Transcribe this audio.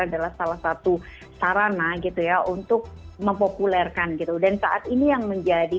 adalah salah satu sarana gitu ya untuk mempopulerkan gitu dan saat ini yang menjadi